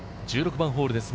１６番ホールです。